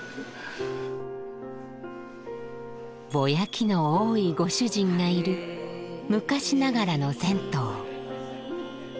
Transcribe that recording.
ぼやきの多いご主人がいる昔ながらの銭湯。